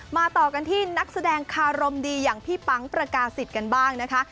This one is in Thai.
ต่อกันที่นักแสดงคารมดีอย่างพี่ปั๊งประกาศิษย์กันบ้างนะคะ